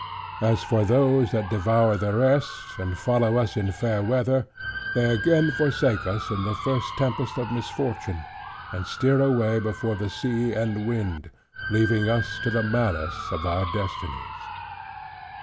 As for those that devour the rest, and follow us in fair weather: they again forsake us in the first tempest of misfortune, and steer away before the sea and wind; leaving us to the malice of our destinies.